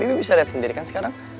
ini bisa lihat sendiri kan sekarang